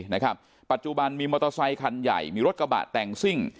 นะครับปัจจุบันมีมอเตอร์ไซคันใหญ่มีรถกระบะแต่งซิ่ง